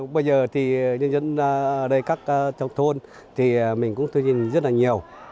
bây giờ thì dân dân ở đây các trong thôn mình cũng thương nhìn rất là nhiều